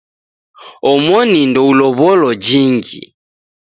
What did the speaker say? Omoni ndeulow'olo jingi.